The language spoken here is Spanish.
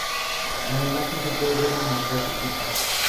En la imagen se puede ver un montaje tipo.